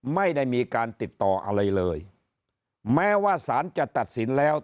ไม่ได้มีการติดต่ออะไรเลยแม้ว่าสารจะตัดสินแล้ว